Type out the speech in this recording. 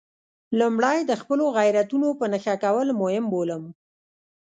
لومړی د خپلو غیرتونو په نښه کول مهم بولم.